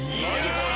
これ。